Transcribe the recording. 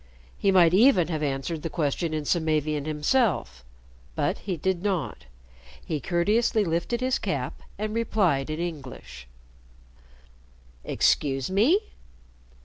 He might even have answered the question in Samavian himself. But he did not. He courteously lifted his cap and replied in English: "Excuse me?"